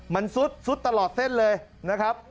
มันซุดตลอดเส้นเลยนะครับ